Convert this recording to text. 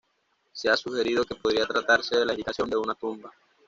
Se ha sugerido que podría tratarse de la indicación de una tumba.